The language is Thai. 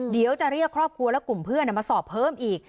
เดี๋ยวจะเรียกครอบครัวและกลุ่มเพื่อนมาสอบเพิ่มอีก